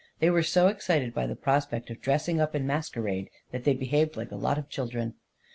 They were so excited by the prospect of dressing up in masquerade that they behaved like a lot of children.